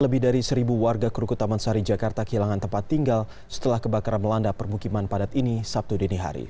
lebih dari seribu warga krukutaman sari jakarta kehilangan tempat tinggal setelah kebakaran melanda permukiman padat ini sabtu dinihari